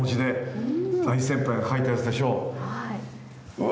うわ！